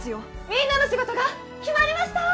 みんなの仕事が決まりました！